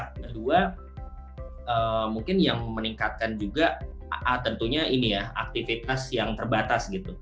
kedua mungkin yang meningkatkan juga tentunya ini ya aktivitas yang terbatas gitu